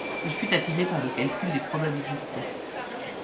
Il y fut attiré par le calcul des probabilités.